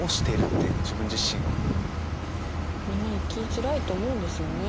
みんな生きづらいと思うんですよね。